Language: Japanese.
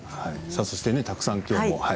さあ、そしてねたくさん、きょうも。